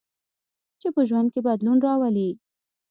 چې په ژوند کې بدلون راولي.